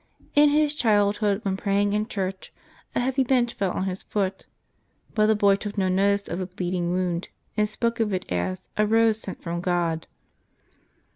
In his childhood, when praying in church, a heavy bench fell on his foot, but the boy took no notice of the bleeding wound, and spoke of it as " a rose sent from God."